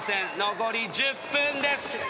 残り１０分です。